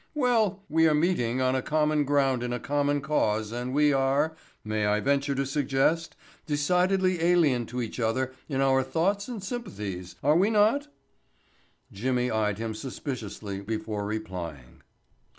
Well, we are meeting on a common ground in a common cause and we are—may I venture to suggest—decidedly alien to each other in our thoughts and sympathies, are we not?" Jimmy eyed him suspiciously before replying.